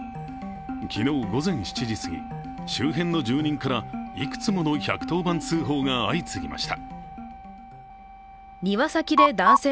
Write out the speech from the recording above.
昨日午前７時すぎ、周辺の住人からいくつもの１１０番通報が相次ぎました。